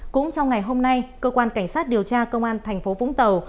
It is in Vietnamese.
cũng trong ngày hôm nay cơ quan cảnh sát điều tra công an tp vũng tàu